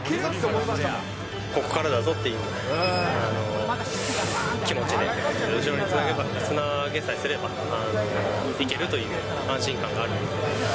ここからだぞという気持ちで、後ろにつなげさえすれば、いけるという安心感があるので。